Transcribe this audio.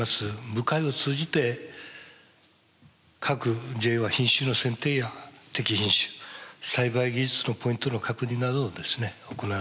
部会を通じて各ＪＡは品種の選定や適品種栽培技術のポイントの確認などですね行われておるようでございます。